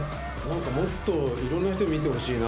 もっといろんな人に見てほしいな。